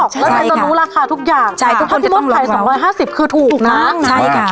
ใช่ค่ะแล้วไหนต้องรู้ราคาทุกอย่างเฉพาะที่มดกาลไทยสองร้อยห้าสิบคือถูกมากใช่ค่ะ